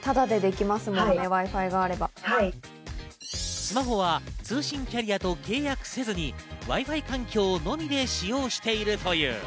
スマホは通信キャリアと契約せずに、Ｗｉ−Ｆｉ環境のみで使用しているという。